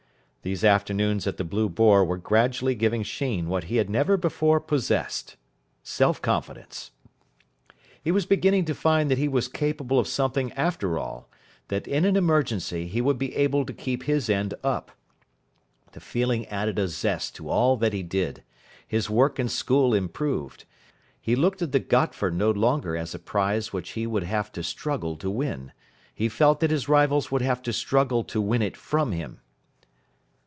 These afternoons at the "Blue Boar" were gradually giving Sheen what he had never before possessed self confidence. He was beginning to find that he was capable of something after all, that in an emergency he would be able to keep his end up. The feeling added a zest to all that he did. His work in school improved. He looked at the Gotford no longer as a prize which he would have to struggle to win. He felt that his rivals would have to struggle to win it from him.